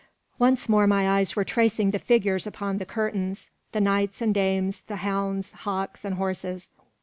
Once more my eyes were tracing the figures upon the curtains: the knights and dames, the hounds, hawks, and horses.